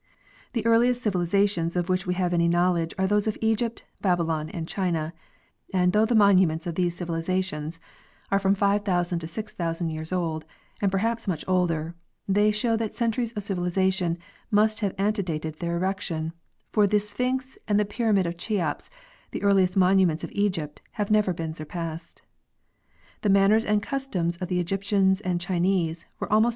The earliest civilizations of which we have any knowledge are those of Egypt, Babylon, and China, and though the monu ments of those civilizations are from 5,000 to 6,000 years old, and perhaps much older, they show that centuries of civilization must have antedated their erection; for the Sphinx and the Pyramid of Cheops, the earliest monuments of Egypt, have never been surpassed. The manners and customs of the Egyp tians and Chinese were almost.